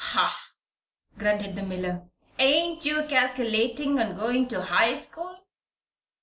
"Hah!" grunted the miller. "Ain't you calculatin' on going to high school?"